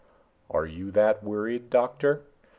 "Are you that worried, Doctor?"